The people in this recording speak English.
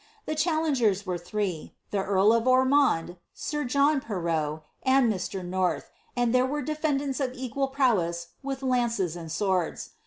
The challengers were three, the earl of Ormond, sir John Perrot, and Mr. North, and there were defendants of equal prowess with lances and swords.